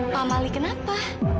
pak mali kenapa